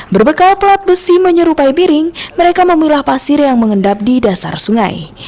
berbekal pelat besi menyerupai piring mereka memilah pasir yang mengendap di dasar sungai